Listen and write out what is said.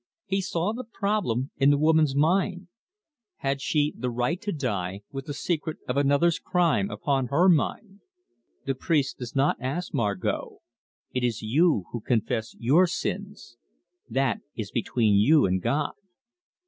He saw the problem in the woman's mind: had she the right to die with the secret of another's crime upon her mind? "The priest does not ask, Margot: it is you who confess your sins. That is between you and God."